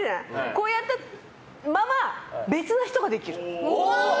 こうやったまま、別の人ができる。